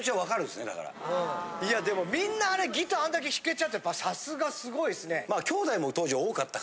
いやでもみんなあれギターあんだけ弾けちゃうってさすがすごいですね。